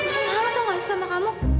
kenapa lu tau nggak sih sama kamu